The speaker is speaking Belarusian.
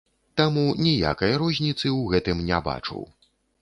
Таму ніякай розніцы ў гэтым не бачу.